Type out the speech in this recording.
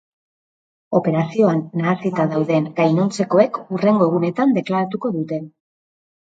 Operazioan nahasita dauden gainontzekoek hurrengo egunetan deklaratuko dute.